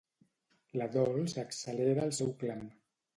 La Dols accelera el seu clam.